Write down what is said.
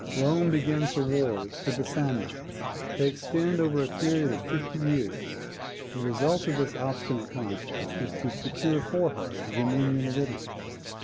Rome begins her wars with the Samnites: they extend over a period of fifty years. The result of this obstinate contest is to secure for her the dominion of Italy.